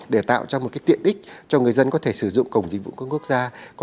để tạo ra một tiện ích cho người dân có thể sử dụng cổng dịch vụ công quốc gia